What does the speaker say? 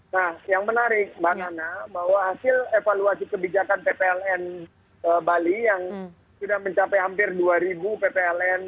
nah yang menarik mbak nana bahwa hasil evaluasi kebijakan ppln bali yang sudah mencapai hampir dua ribu ppln